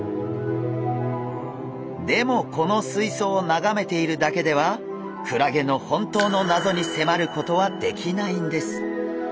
でもこのすいそうをながめているだけではクラゲの本当の謎にせまることはできないんです。